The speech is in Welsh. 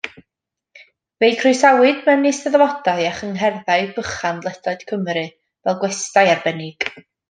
Fe'i croesawyd mewn eisteddfodau a chyngherddau bychan ledled Cymru, fel gwestai arbennig.